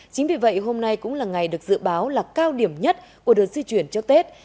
chính vì vậy hôm nay cũng là ngày được dự báo là cao điểm nhất của đợt di chuyển trước tết